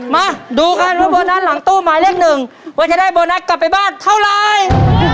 มาดูกันว่าโบนัสหลังตู้หมายเลขหนึ่งว่าจะได้โบนัสกลับไปบ้านเท่าไร